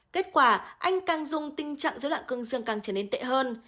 kết quả anh càng dùng tình trạng dối loạn cương dương càng trở nên tệ hơn